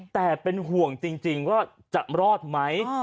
แต่เป็นห่วงจริงว่าจะรอดไหม